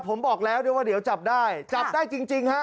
ผมบอกแล้วด้วยว่าเดี๋ยวจับได้จับได้จริงฮะ